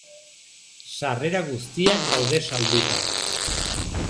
Sarrera guztiak daude salduta.